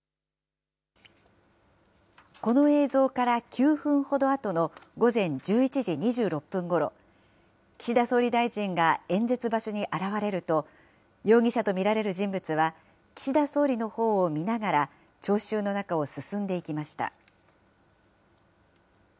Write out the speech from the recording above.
この映像から９分ほどあとの午前１１時２６分ごろ、岸田総理大臣が演説場所に現れると、容疑者と見られる人物は、岸田総理のほうを見ながら、聴衆の中を進んでいきました。